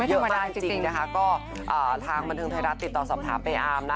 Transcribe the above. เยอะมากจริงนะคะก็ทางบันเทิงไทยรัฐติดต่อสอบถามไปอามนะ